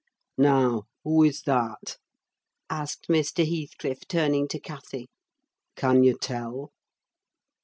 "Now, who is that?" asked Mr. Heathcliff, turning to Cathy. "Can you tell?"